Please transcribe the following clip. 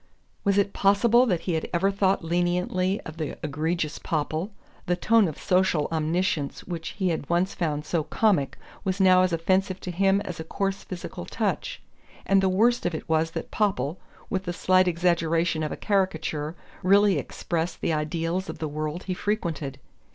Was it possible that he had ever thought leniently of the egregious Popple? The tone of social omniscience which he had once found so comic was now as offensive to him as a coarse physical touch. And the worst of it was that Popple, with the slight exaggeration of a caricature, really expressed the ideals of the world he frequented.